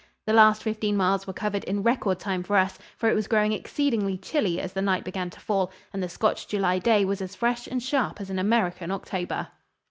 The last fifteen miles were covered in record time for us, for it was growing exceedingly chilly as the night began to fall and the Scotch July day was as fresh and sharp as an American October.